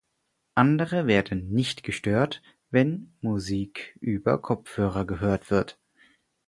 Andere werden nicht gestört, wenn Musik über Kopfhörer gehört wird.